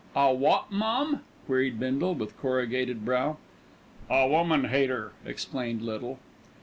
"A wot, mum?" queried Bindle, with corrugated brow. "A woman hater," explained Little.